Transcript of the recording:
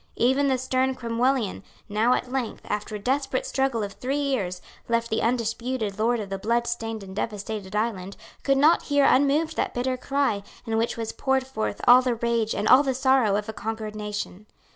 Even the stern Cromwellian, now at length, after a desperate struggle of three years, left the undisputed lord of the bloodstained and devastated island, could not hear unmoved that bitter cry, in which was poured forth all the rage and all the sorrow of a conquered nation.